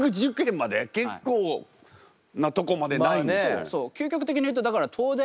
結構なとこまでないんですね。